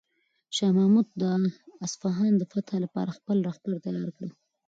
شاه محمود د اصفهان د فتح لپاره خپل لښکر تیار کړ.